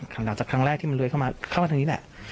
หลังจากครั้งแรกที่มันเลื้อยเข้ามาทางนี้แหละ